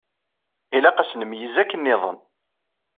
Ilaq ad s-nmeyyez akken nniḍen.